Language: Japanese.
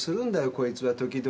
こいつは時々。